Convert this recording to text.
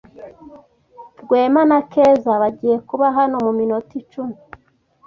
Rwema na Keza bagiye kuba hano muminota icumi.